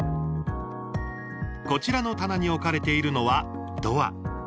こちらの棚に置かれているのはドア。